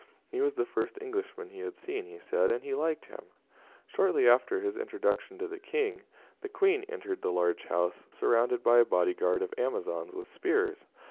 He was the first Englishman he had seen, he said, and he liked him. Shortly after his introduction to the King, the Queen entered the large house, surrounded by a body guard of Amazons with spears.